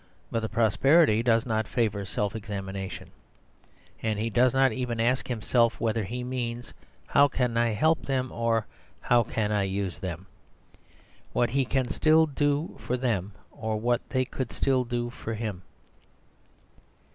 But prosperity does not favour self examination; and he does not even ask himself whether he means "How can I help them?" or "How can I use them?" what he can still do for them, or what they could still do for him.